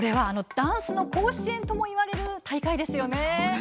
ダンスの甲子園ともいわれる大会ですよね。